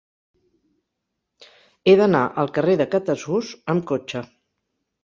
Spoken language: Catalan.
He d'anar al carrer de Catasús amb cotxe.